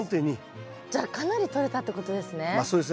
じゃあかなりとれたってことですね。